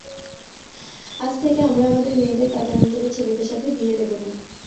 আজ থেকে, আমরা আমাদের মেয়েদের তাদের অঞ্চলের ছেলেদের সাথে বিয়ে দেব না।